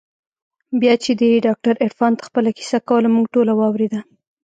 بيا چې دې ډاکتر عرفان ته خپله کيسه کوله موږ ټوله واورېده.